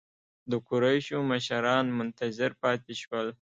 د قریشو مشران منتظر پاتې شول.